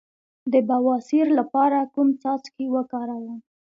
د بواسیر لپاره کوم څاڅکي وکاروم؟